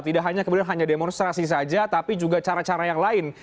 tidak hanya kemudian hanya demonstrasi saja tapi juga cara cara yang lain